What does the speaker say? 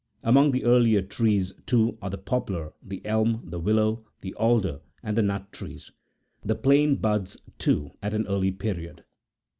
Among the earlier trees, too, are the poplar, the elm, the willow, the alder, and the nut trees. The plane buds, too, at an early period.